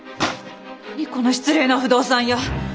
何この失礼な不動産屋！